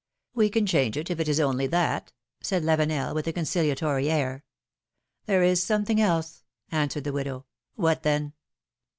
"We can change it, if it is only that," said Lavenel, with a conciliatory air. " There is something else," answered the widow, " What, then